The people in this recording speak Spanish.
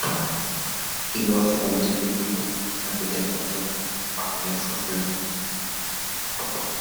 Y lo hace tan descriptivo, que hace que el lector, al leer sus versos.